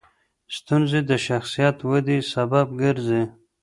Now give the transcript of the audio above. ستونزې د شخصیت ودې سبب ګرځي.